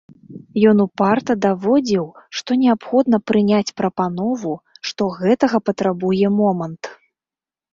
Ён упарта даводзіў, што неабходна прыняць прапанову, што гэтага патрабуе момант.